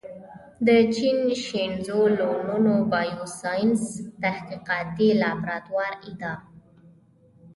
د چین شینزو لونوي بایوساینس تحقیقاتي لابراتوار ادعا